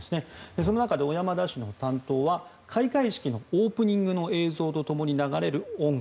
その中で小山田氏の担当は開会式のオープニングの映像とともに流れる音楽。